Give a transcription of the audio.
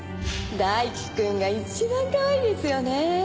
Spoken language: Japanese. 大輝くんが一番かわいいですよね。